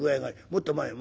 もっと前へ。